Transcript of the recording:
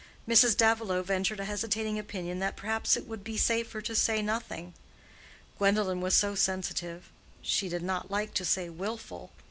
Mrs. Davilow ventured a hesitating opinion that perhaps it would be safer to say nothing—Gwendolen was so sensitive (she did not like to say willful).